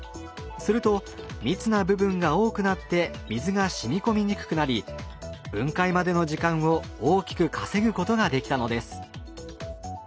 すると密な部分が多くなって水がしみこみにくくなり分解までの時間を大きく稼ぐことができたのです。